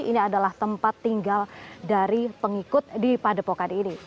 ini adalah tempat tinggal dari pengikut di padepokan ini